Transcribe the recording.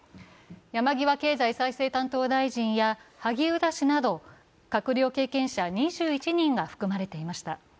山際経済再生担当大臣や萩生田氏など閣僚経験者２１人が含まれていました。